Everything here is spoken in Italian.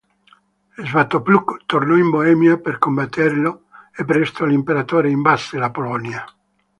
Svatopluk tornò in Boemia per combatterlo e presto l'imperatore invase la Polonia.